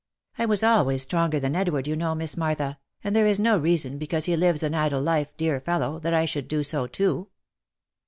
I was always stronger than Edward, you know, Miss Martha, and there is no reason because he lives an idle life, dear fellow, that I should do so too."